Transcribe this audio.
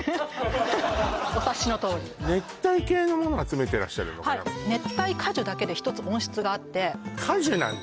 お察しのとおり熱帯系のものを集めてらっしゃるはい熱帯果樹だけで１つ温室があって果樹なんだ